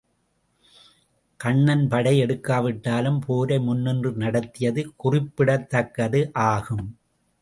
கண்ணன் படை எடுக்காவிட்டாலும் போரை முன்னின்று நடத்தியது குறிப்பிடத்தக்கது ஆகும்.